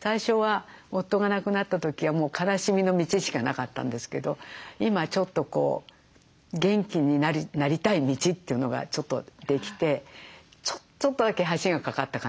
最初は夫が亡くなった時はもう悲しみの道しかなかったんですけど今ちょっとこう元気になりたい道というのがちょっとできてちょっとだけ橋が架かった感じ。